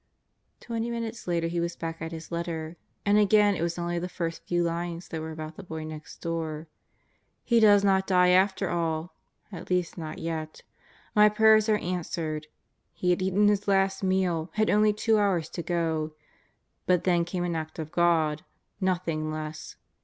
Twenty minutes later he was back at his letter, and again it was only the first few lines that were about the boy next door. "He does not die after all! At least not yet. My prayers are answered. He had eaten his last meal; had only two hours to go. But then came an Act of God; nothing less.